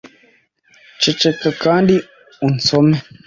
ceceka kandi unsome